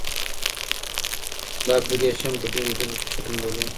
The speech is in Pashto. دا اپلیکیشن په ډېرو ژبو کې شتون لري.